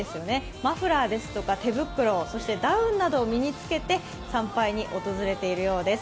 マフラーですとか手袋、ダウンなどを身につけて参拝に訪れているようです。